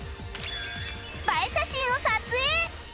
映え写真を撮影！